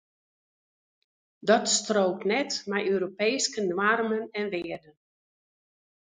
Dat strookt net mei Europeeske noarmen en wearden.